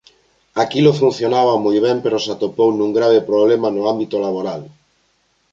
Aquilo funcionaba moi ben pero se atopou nun grave problema no ámbito laboral.